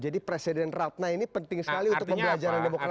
jadi presiden ratna ini penting sekali untuk pembelajaran demokrasi kita ya